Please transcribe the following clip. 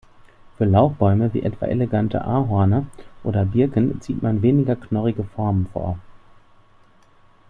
Für Laubbäume wie etwa elegante Ahorne oder Birken zieht man weniger knorrige Formen vor.